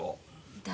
誰？